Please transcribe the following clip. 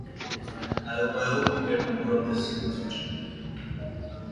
I hope we get more of this in the future.